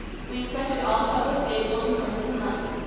We inspected all the public vehicles and horses in London.